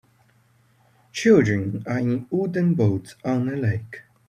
Children are in wooden boats on a lake.